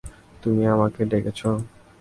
তুমি আমাকে ডেকেছ?